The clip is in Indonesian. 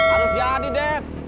harus jadi debs